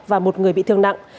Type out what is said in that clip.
và một người bị thương nặng